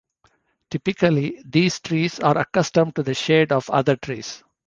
Typically, these trees are accustomed to the shade of other trees.